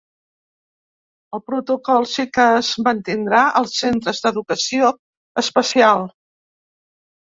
El protocol sí que es mantindrà als centres d’educació especial.